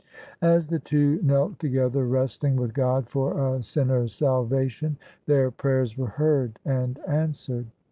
As the two knelt together wrestling with God for a sin ner's salvation, their prayers were heard and answered.